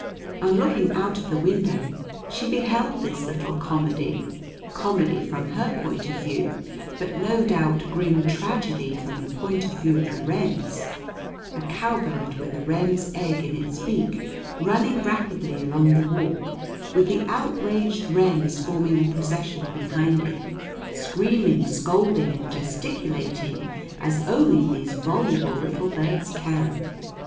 On looking out of the window, she beheld this little comedy, comedy from her point of view, but no doubt grim tragedy from the point of view of the wrens: a cowbird with a wren's egg in its beak running rapidly along the walk, with the outraged wrens forming a procession behind it, screaming, scolding, and gesticulating as only these voluble little birds can.